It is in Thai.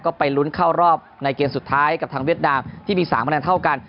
ก็ไปลุ้นเข้ารอบในเกมสุดท้ายกับทางเวียดนามที่มี๓คะแนนเท่ากัน